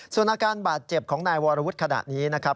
ส่วนอาการบาดเจ็บของนายวรวุฒิขณะนี้นะครับ